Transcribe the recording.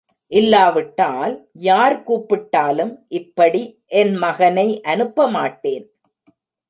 இல்லாவிட்டால் யார் கூப்பிட்டாலும் இப்படி என் மகனை அனுப்ப மாட்டேன்.